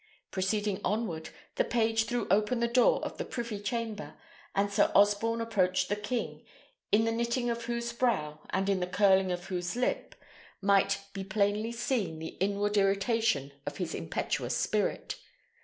Proceeding onward, the page threw open the door of the privy chamber, and Sir Osborne approached the king, in the knitting of whose brow, and in the curling of whose lip, might be plainly seen the inward irritation of his impetuous spirit.